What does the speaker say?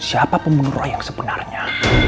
siapa pembunuh roy yang sebenarnya